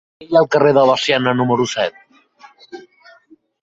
Què hi ha al carrer de Veciana número set?